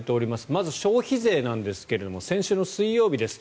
まず、消費税なんですが先週水曜日です。